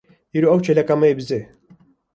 Îro ew ê çêleka me bizê.